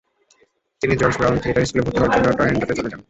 তিনি George Brown theatre স্কুলে ভর্তি হওয়ার জন্য টরন্টোতে চলে যান।